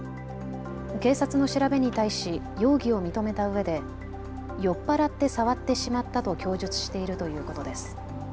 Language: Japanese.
警察の調べに対し容疑を認めたうえで酔っ払って触ってしまったと供述しているということです。